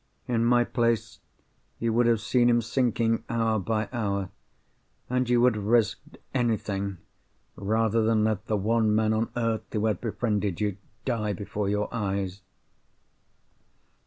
In my place, you would have seen him sinking, hour by hour; and you would have risked anything, rather than let the one man on earth who had befriended you, die before your eyes.